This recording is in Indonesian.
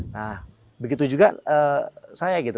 nah begitu juga saya gitu